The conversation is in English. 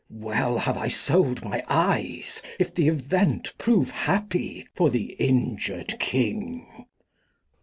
Well have I sold my Eyes, if the Event Prove happy for the injur'd King.